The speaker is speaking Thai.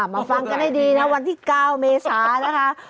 มาฟังกันให้ดีนะวันที่๙เมษานะคะ